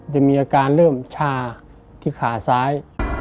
จะมีอาการเริ่มชาที่ขาซ้าย